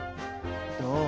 どう？